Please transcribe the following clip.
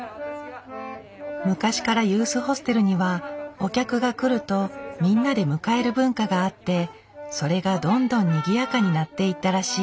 昔からユースホステルにはお客が来るとみんなで迎える文化があってそれがどんどんにぎやかになっていったらしい。